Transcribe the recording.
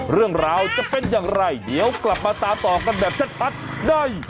เรื่องราวจะเป็นอย่างไรเดี๋ยวกลับมาตามต่อกันแบบชัดได้